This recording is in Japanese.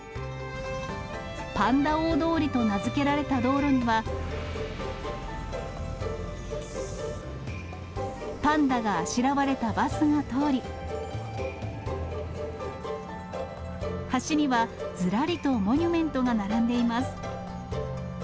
パンダ大通りと名付けられた道路には、パンダがあしらわれたバスが通り、橋にはずらりとモニュメントが並んでいます。